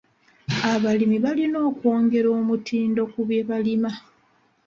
Abalimi balina okwongera omutindo ku bye balima.